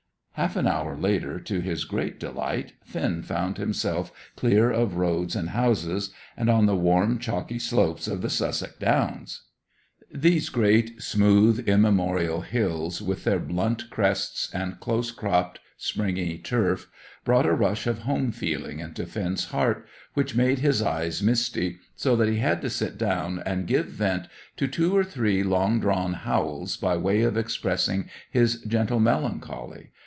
Half an hour later, to his great delight, Finn found himself clear of roads and houses, and on the warm, chalky slopes of the Sussex Downs. These great, smooth, immemorial hills, with their blunt crests, and close cropped, springy turf, brought a rush of home feeling into Finn's heart, which made his eyes misty, so that he had to sit down and give vent to two or three long drawn howls by way of expressing his gentle melancholy.